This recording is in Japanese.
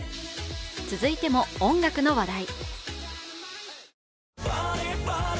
続いても音楽の話題。